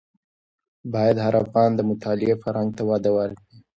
باید هر افغان د مطالعې فرهنګ ته وده ورکړي.